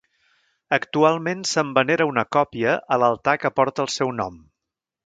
Actualment se'n venera una còpia a l'altar que porta el seu nom.